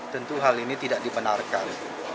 tentu hal ini tidak dibenarkan